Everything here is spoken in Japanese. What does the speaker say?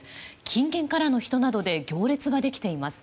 近県からの人などで行列ができています。